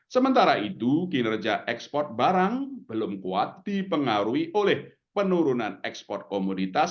sementara itu kinerja ekspor barang belum kuat dipengaruhi oleh penurunan ekspor komoditas